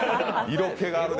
色気があるね。